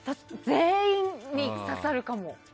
全員に刺さるかも。